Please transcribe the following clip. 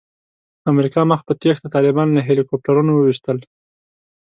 امریکا مخ په تېښته طالبان له هیلي کوپټرونو وویشتل.